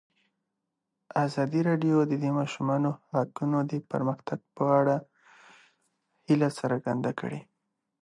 ازادي راډیو د د ماشومانو حقونه د پرمختګ په اړه هیله څرګنده کړې.